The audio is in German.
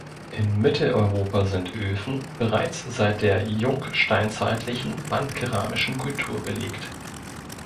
In Mitteleuropa sind Öfen bereits seit der jungsteinzeitlichen bandkeramischen Kultur belegt.